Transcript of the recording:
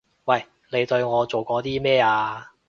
喂！你對我做過啲咩啊？